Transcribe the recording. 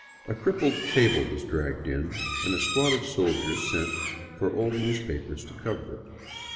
A crippled table was dragged in, and a squad of soldiers sent for old newspapers to cover it.